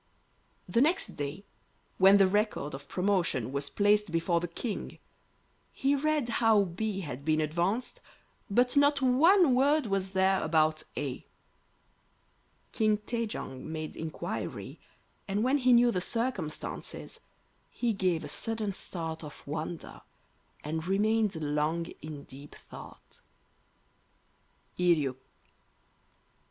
The next day, when the record of promotions was placed before the King, he read how B had been advanced, but not one word was there about A. King Tai jong made inquiry, and when he knew the circumstances he gave a sudden start of wonder and remained long in deep thought. Yi Ryuk.